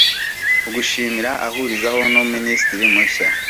ugushimira ahurizaho na Minisitiri mushya